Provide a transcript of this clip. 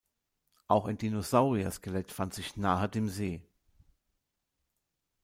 Auch ein Dinosaurier-Skelett fand sich nahe dem See.